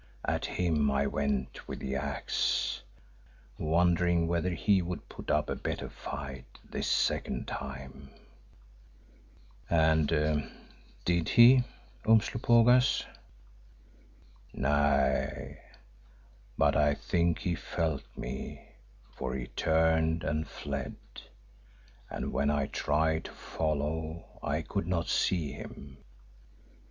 At him I went with the axe, wondering whether he would put up a better fight this second time." "And did he, Umslopogaas?" "Nay, but I think he felt me for he turned and fled and when I tried to follow I could not see him.